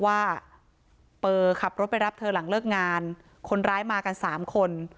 ว่าเปอร์ขับรถไปรับเธอหลังเลิกงานคนร้ายมากันสามคน